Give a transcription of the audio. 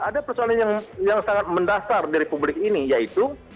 ada persoalan yang sangat mendasar di republik ini yaitu